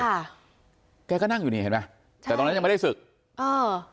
แกก็นั่งอยู่นี่เห็นไหมแต่ตอนนั้นยังไม่ได้ศึกเออ